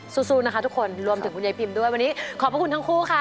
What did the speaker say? สู้นะคะทุกคนรวมถึงคุณยายพิมด้วยวันนี้ขอบพระคุณทั้งคู่ค่ะ